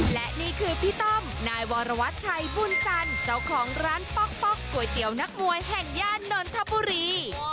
และนี่คือพี่ต้อมนายวรวัตชัยบุญจันทร์เจ้าของร้านป๊อกก๋วยเตี๋ยวนักมวยแห่งย่านนทบุรี